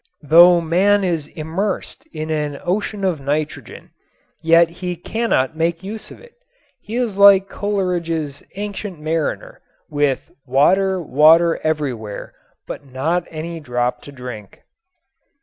Though man is immersed in an ocean of nitrogen, yet he cannot make use of it. He is like Coleridge's "Ancient Mariner" with "water, water, everywhere, nor any drop to drink."